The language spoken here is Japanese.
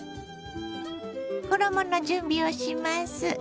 衣の準備をします。